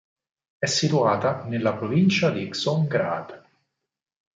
È situata nella provincia di Csongrád.